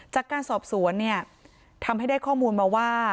จากการสอบสวนเนี่ยทำให้ได้ข้อมูลมาว่า